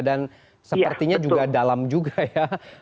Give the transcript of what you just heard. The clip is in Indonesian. dan sepertinya juga dalam juga ya